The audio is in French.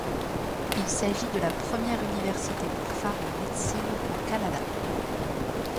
Il s'agit de la première université pour femmes en médecine au Canada.